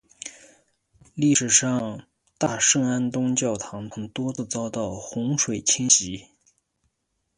历史上大圣安东教堂曾多次遭到洪水侵袭。